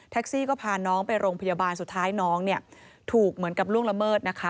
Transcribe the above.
ซี่ก็พาน้องไปโรงพยาบาลสุดท้ายน้องเนี่ยถูกเหมือนกับล่วงละเมิดนะคะ